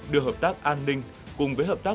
đưa hợp tác an ninh cùng với hợp tác phù hợp